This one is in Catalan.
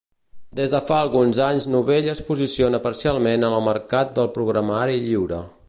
Des de fa alguns anys Novell es posiciona parcialment en el mercat del programari lliure.